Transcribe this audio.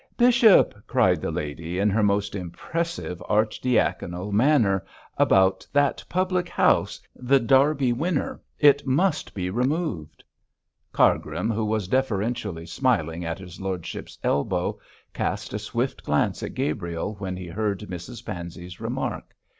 'Bishop!' cried the lady, in her most impressive archidiaconal manner, 'about that public house, The Derby Winner, it must be removed.' Cargrim, who was deferentially smiling at his lordship's elbow, cast a swift glance at Gabriel when he heard Mrs Pansey's remark.